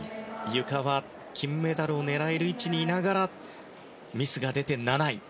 ゆかは金メダルを狙える位置にいながらミスが出て７位。